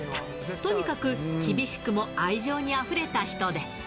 とにかく厳しくも愛情にあふれた人で。